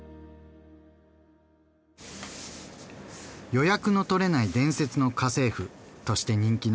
「予約のとれない伝説の家政婦」として人気のタサン志麻さん。